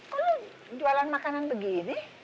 kok lu jualan makanan begini